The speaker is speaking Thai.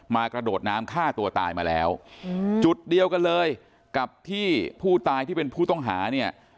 กระโดดน้ำฆ่าตัวตายมาแล้วจุดเดียวกันเลยกับที่ผู้ตายที่เป็นผู้ต้องหาเนี่ย